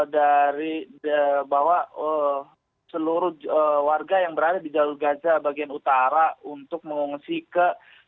dari bahwa seluruh warga yang berada di jalur gaza bagian utara untuk mengungsi ke